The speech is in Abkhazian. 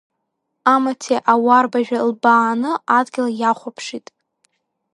Амаҭи ауарбажәи лбааны адгьыл иахәаԥшит.